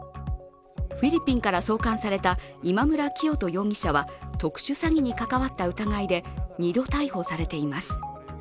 フィリピンから送還された今村磨人容疑者は特殊詐欺に関わった疑いで２度逮捕されています。